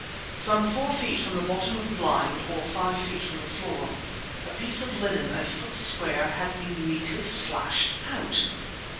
Some four feet from the bottom of the blind (or five feet from the floor) a piece of linen a foot square had been neatly slashed out!